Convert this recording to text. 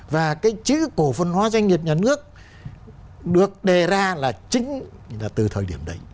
và cái chữ cổ phân hóa doanh nghiệp nhà nước được đề ra là chính là từ thời điểm đấy